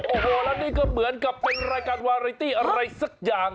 โอ้โหแล้วนี่ก็เหมือนกับเป็นรายการวาไรตี้อะไรสักอย่าง